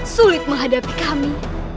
sulit menghadapi kami